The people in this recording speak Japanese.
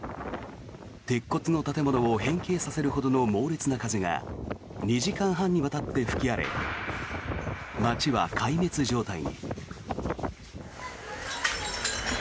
鉄骨の建物を変形させるほどの猛烈な風が２時間半にわたって吹き荒れ街は壊滅状態に。